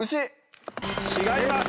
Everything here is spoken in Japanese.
違います。